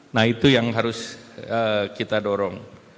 nah itu yang harus kita dorong